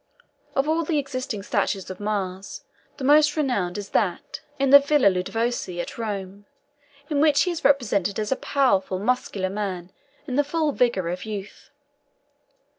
Of all existing statues of Mars the most renowned is that in the Villa Ludovisi at Rome, in which he is represented as a powerful, muscular man in the full vigour of youth.